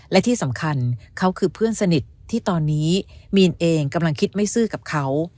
และที่สำคัญเขาคือเพื่อนสนิทที่ตอนนี้มีนเองกำลังคิดไม่ซื่อกับเขา